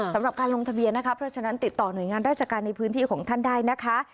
สำหรับการลงทะเบียนนะคะเพราะฉะนั้นติดต่อหน่วยงานราชการในพื้นที่ของท่านได้นะคะ